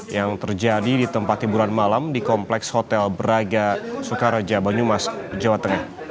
yang terjadi di tempat hiburan malam di kompleks hotel braga soekaraja banyumas jawa tengah